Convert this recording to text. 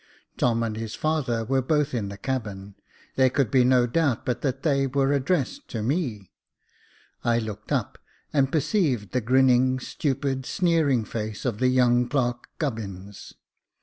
Tom and his father were both in the cabin ; there could be no doubt but that they were addressed to me. I looked up and perceived the Jacob Faithful 167 grinning, stupid, sneering face of the young clerk, Gubbins.